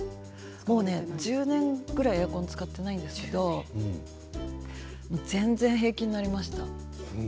１０年くらいエアコン使っていないんですけど全然平気になりました。